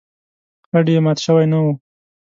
هډ یې مات شوی نه و.